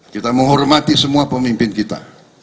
kita menghormati semua pemimpin kita